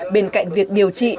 bên cạnh việc điều trị